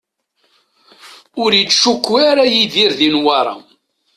Ur yettcukku ara Yidir di Newwara.